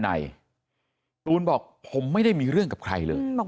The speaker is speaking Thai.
ไม่รู้ตอนไหนอะไรยังไงนะ